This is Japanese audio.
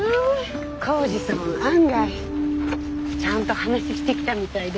耕治さん案外ちゃんと話してきたみたいで。